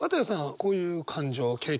こういう感情経験。